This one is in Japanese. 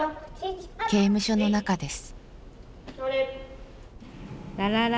刑務所の中です。